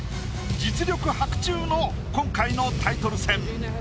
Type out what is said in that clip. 実力伯仲の今回のタイトル戦。